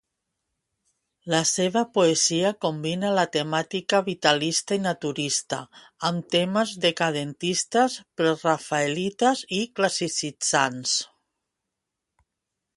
La seva poesia combina la temàtica vitalista i naturista amb temes decadentistes, prerafaelites i classicitzants.